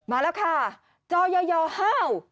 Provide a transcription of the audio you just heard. มาแล้วค่ะจอยห้าว